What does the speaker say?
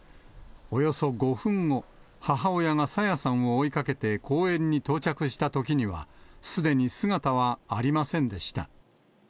およそ５分後、母親が朝芽さんを追いかけて公園に到着したときには、すでに姿はありませんでした。